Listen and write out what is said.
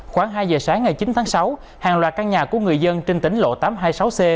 khoảng hai giờ sáng ngày chín tháng sáu hàng loạt căn nhà của người dân trên tính lộ tám trăm hai mươi sáu c